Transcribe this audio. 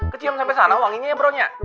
keciam sampe sana wanginya ya bro